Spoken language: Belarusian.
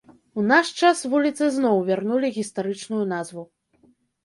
У наш час вуліцы зноў вярнулі гістарычную назву.